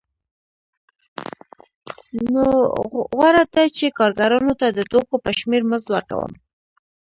نو غوره ده چې کارګرانو ته د توکو په شمېر مزد ورکړم